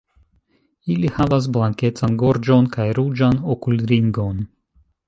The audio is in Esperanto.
Ili havas blankecan gorĝon kaj ruĝan okulringon.